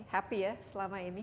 happy ya selama ini